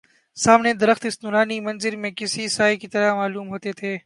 سامنے درخت اس نورانی منظر میں کسی سائے کی طرح معلوم ہوتے تھے